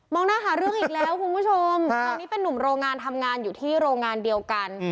หน้าหาเรื่องอีกแล้วคุณผู้ชมคราวนี้เป็นนุ่มโรงงานทำงานอยู่ที่โรงงานเดียวกัน